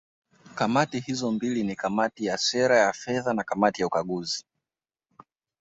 Kamati hizo mbili ni Kamati ya Sera ya Fedha na Kamati ya Ukaguzi